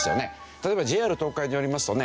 例えばＪＲ東海によりますとね